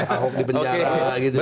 akhok di penjara gitu